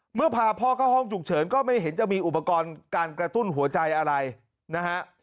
เมื่อพาพ่อเข้าห้องฉุกเฉินก็ไม่เห็นจะมีอุปกรณ์การกระตุ้นหัวใจอะไรนะฮะ